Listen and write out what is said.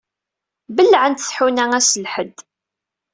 Bellɛent tḥuna ass n lḥedd.